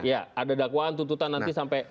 ya ada dakwaan tuntutan nanti sampai